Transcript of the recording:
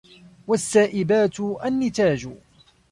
وَالسَّائِبَاتُ النِّتَاجُ